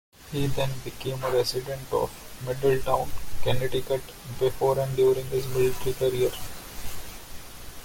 He then became a resident of Middletown, Connecticut before and during his military career.